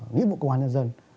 nghĩa vụ công an nhân dân